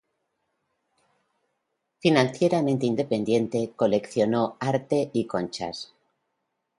Financieramente independiente, coleccionó arte y conchas.